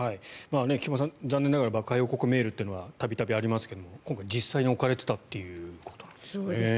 菊間さん、残念ながら爆破予告メールというのは度々ありますけれど今回、実際に置かれていたということなんですね。